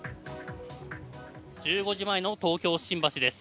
１５時前の東京・新橋です。